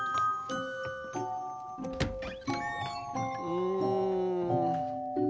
うん。